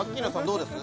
どうです？